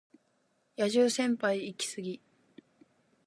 野獣先輩イキスギ